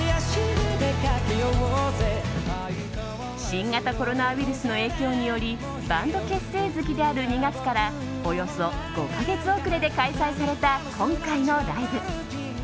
新型コロナウイルスの影響によりバンド結成月である２月からおよそ５か月遅れで開催された今回のライブ。